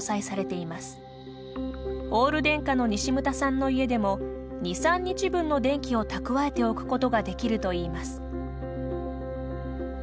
オール電化の西牟田さんの家でも２３日分の電気を蓄えておくことができるといいます。